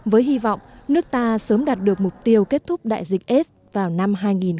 với hy vọng nước ta sớm đạt được mục tiêu kết thúc đại dịch s vào năm hai nghìn hai mươi